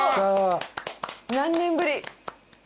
何年ぶり。